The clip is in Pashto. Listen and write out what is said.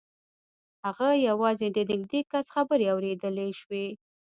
هغه یوازې د نږدې کس خبرې اورېدلای شوې